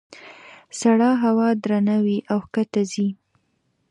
سړه هوا درنه وي او ښکته ځي.